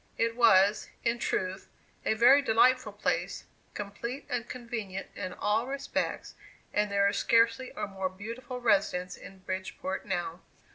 It was, in truth, a very delightful place, complete and convenient in all respects, and there is scarcely a more beautiful residence in Bridgeport now.